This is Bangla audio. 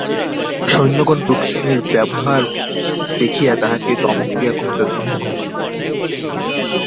সৈন্যগণ রুক্মিণীর ব্যবহার দেখিয়া তাহাকে ধমক দিয়া কহিল, দূর হ মাগী।